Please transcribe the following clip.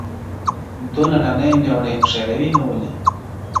دونه لا نه یم لیونی هوښیاروې مي ولې.!